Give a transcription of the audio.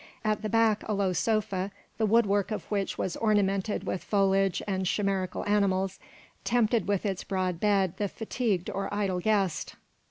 At the back a low sofa, the wood work of which was ornamented with foliage and chimerical animals, tempted with its broad bed the fatigued or idle guest.